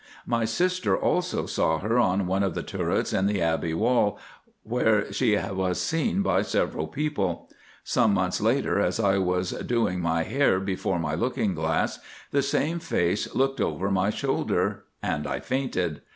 My sister also saw her on one of the turrets in the Abbey wall, where she was seen by several people. Some months after, as I was doing my hair before my looking glass, the same face looked over my shoulder, and I fainted.